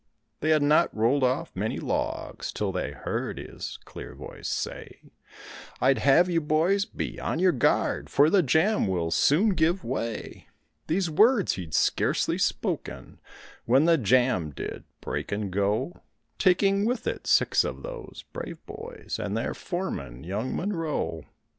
They had not rolled off many logs 'till they heard his clear voice say, "I'd have you boys be on your guard, for the jam will soon give way." These words he'd scarcely spoken when the jam did break and go, Taking with it six of those brave boys and their foreman, young Monroe.